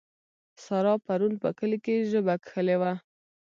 سارا پرون په کلي کې ژبه کښلې وه.